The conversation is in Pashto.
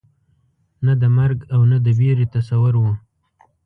نه د مرګ او نه د وېرې تصور وو.